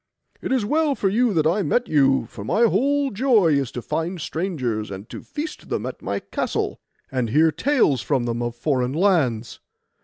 It is well for you that I met you, for my whole joy is to find strangers, and to feast them at my castle, and hear tales from them of foreign lands.